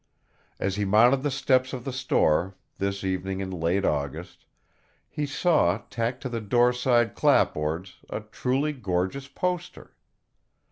As he mounted the steps of the store, this evening in late August, he saw, tacked to the doorside clapboards, a truly gorgeous poster.